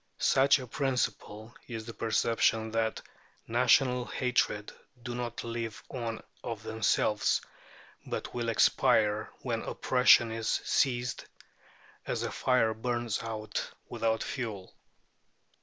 Such a principle is the perception that national hatreds do not live on of themselves, but will expire when oppression has ceased, as a fire burns out without fuel.